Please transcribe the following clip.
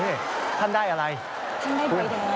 เฮ้ท่านได้อะไร